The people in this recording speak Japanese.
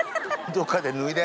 どっかで脱いで。